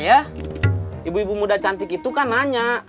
ya ibu ibu muda cantik itu kan nanya